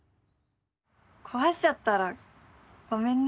壊しちゃったらごめんね。